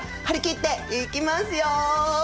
張り切っていきますよ！